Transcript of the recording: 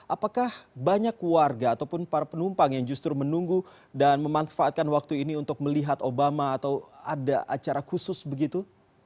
apakah banyak warga ataupun para penumpang yang justru menunggu dan memanfaatkan waktu ini untuk melihat obama atau ada acara khusus begitu